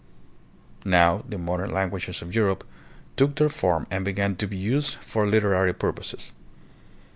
Now the modern languages of Europe took their form and began to be used for literary purposes.